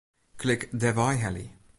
Klik Dêrwei helje.